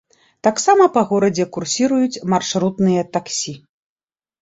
Таксама па горадзе курсіруюць маршрутныя таксі.